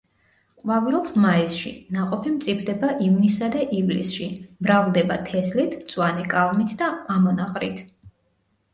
ყვავილობს მაისში, ნაყოფი მწიფდება ივნისსა და ივლისში, მრავლდება თესლით, მწვანე კალმით და ამონაყრით.